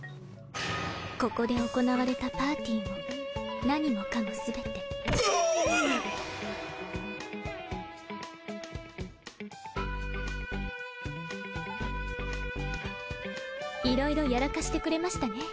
ここで行われたパーティもなにもかもすべていろいろやらかしてくれましたね